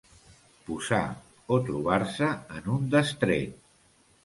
Posar o trobar-se en un destret.